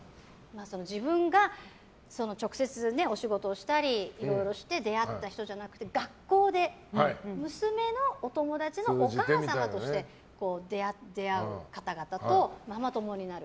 自分が直接お仕事をしたりいろいろして出会った人じゃなくて学校で娘のお友達のお母様として出会う方々とママ友になる。